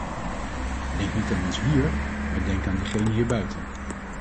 Denk niet aan ons hier, maar denk aan degenen hierbuiten.